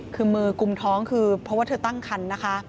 คือมือกุมท้องคือเพราะว่าเธอตั้งคันนะคะ